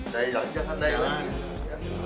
daya jangan daya lagi